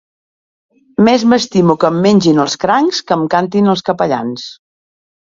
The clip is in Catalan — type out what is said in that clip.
Més m'estimo que em mengin els crancs que em cantin els capellans.